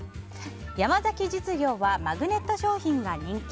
山崎実業はマグネット商品が人気。